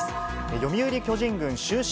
読売巨人軍終身